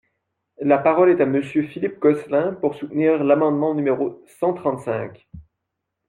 La parole est à Monsieur Philippe Gosselin, pour soutenir l’amendement numéro cent trente-cinq.